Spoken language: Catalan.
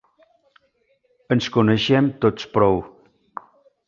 Ens coneixem tots prou.